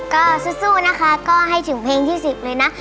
ก็สู้นะคะก็ให้ถึงเพลงที่๑๐เลยนะ